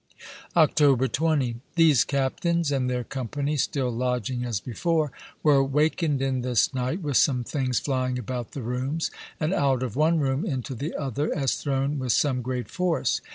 October 20. These captains and their company, still lodging as before, were wakened in this night with some things flying about the rooms, and out of one room into the other, as thrown with some great force.